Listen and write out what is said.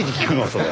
それ。